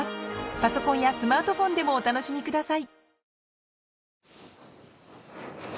パソコンやスマートフォンでもお楽しみください